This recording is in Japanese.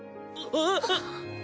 あっ！